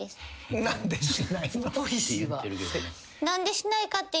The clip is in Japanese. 何でしないの？